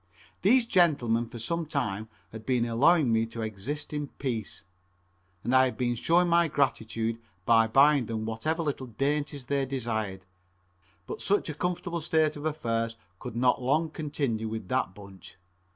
These gentlemen for some time had been allowing me to exist in peace, and I had been showing my gratitude by buying them whatever little dainties they desired, but such a comfortable state of affairs could not long continue with that bunch.